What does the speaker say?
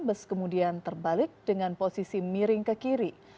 bus kemudian terbalik dengan posisi miring ke kiri